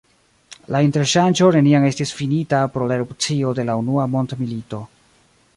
La interŝanĝo neniam estis finita pro la erupcio de la unua mondmilito.